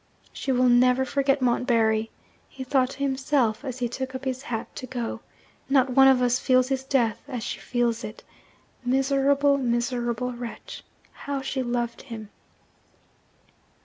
'She will never forget Montbarry,' he thought to himself as he took up his hat to go. 'Not one of us feels his death as she feels it. Miserable, miserable wretch how she loved him!'